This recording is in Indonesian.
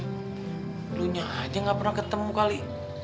belumnya aja gak pernah ketemu kali